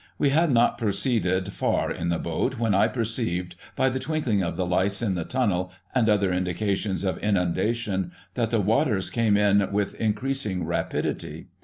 We had not proceeded far in the boat when I perceived, by the twinkling of the lights in the tunnel, and other indications of inundation, that the waters came in with increased rapidity.